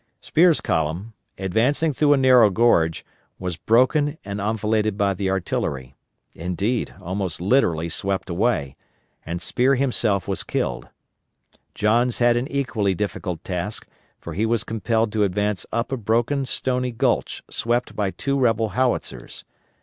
Spear's column, advancing through a narrow gorge, was broken and enfiladed by the artillery indeed almost literally swept away and Spear himself was killed. Johns had an equally difficult task, for he was compelled to advance up a broken stony gulch swept by two rebel howitzers.